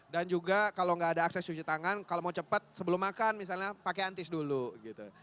dan juga kalau gak ada akses cuci tangan kalau mau cepat sebelum makan misalnya pakai antis dulu gitu